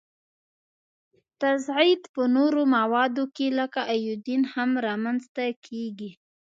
تصعید په نورو موادو کې لکه ایودین هم را منځ ته کیږي.